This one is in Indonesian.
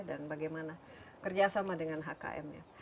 dan bagaimana kerjasama dengan hkm